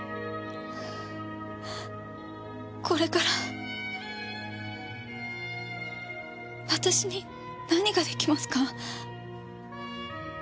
これから私に何が出来ますか？